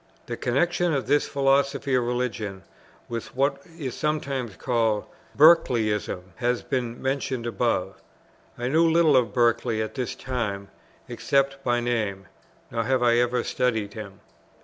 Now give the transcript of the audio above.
The connexion of this philosophy of religion with what is sometimes called "Berkeleyism" has been mentioned above; I knew little of Berkeley at this time except by name; nor have I ever studied him.